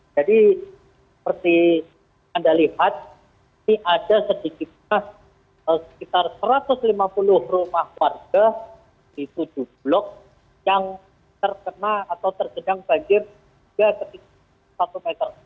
jadi seperti anda lihat ini ada sedikitnya sekitar satu ratus lima puluh rumah warga di tujuh blok yang terkena atau terkenang banjir tiga satu meter